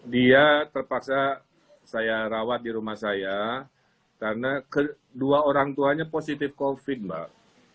dia terpaksa saya rawat di rumah saya karena kedua orang tuanya positif covid mbak